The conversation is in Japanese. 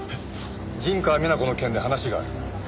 陣川美奈子の件で話がある。